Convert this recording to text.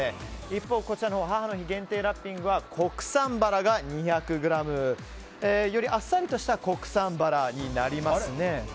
一方、こちらの母の日限定ラッピングは国産バラが２００ｇ。よりあっさりとした国産バラになりますね。